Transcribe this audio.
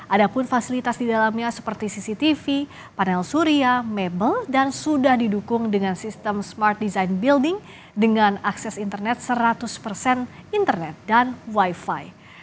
ada pun fasilitas di dalamnya seperti cctv panel surya mebel dan sudah didukung dengan sistem smart design building dengan akses internet seratus persen internet dan wifi